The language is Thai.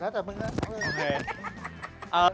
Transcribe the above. แค่เธอมึงนะ